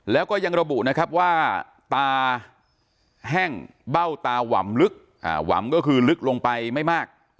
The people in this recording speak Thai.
แล้วก็ยังระบุนะครับว่าตาแห้งเบ้าตาหว่ำลึกหว่ำก็คือลึกลงไปไม่มาก